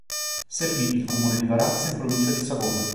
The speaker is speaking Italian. Servì il comune di Varazze in provincia di Savona.